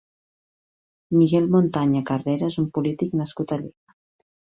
Miguel Montaña Carrera és un polític nascut a Lleida.